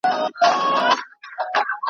خو اسمان دی موږ ته یو بهار ټاکلی ,